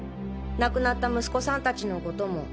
亡くなった息子さんたちのことも。